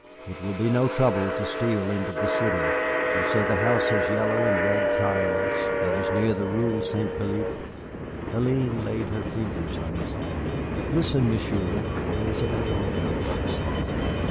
"It will be no trouble to steal into the city. You say the house has yellow and red tiles, and is near the Rue St. Philippe?" Hélène laid her fingers on his arm. "Listen, Monsieur, there is a better way," she said.